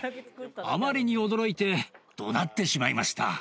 あまりに驚いて、どなってしまいました。